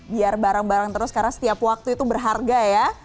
biar bareng bareng terus karena setiap waktu itu berharga ya